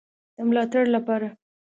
د ملاتړ لپاره